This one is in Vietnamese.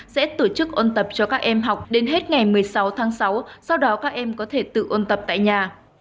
sẽ tổ chức ôn tập cho các em học đến hết ngày một mươi sáu tháng sáu sau đó các em có thể tự ôn tập tại nhà